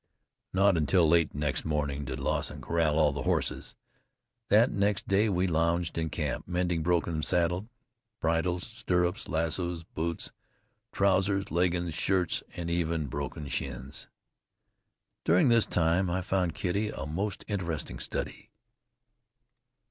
Not until late next morning did Lawson corral all the horses. That day we lounged in camp mending broken bridles, saddles, stirrups, lassoes, boots, trousers, leggins, shirts and even broken skins. During this time I found Kitty a most interesting study.